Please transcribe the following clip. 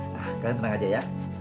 nah kalian tenang aja ya